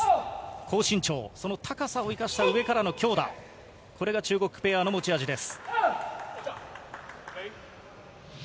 高身長、その高さを生かした上からの強打、これが中国ペアの持ち味です。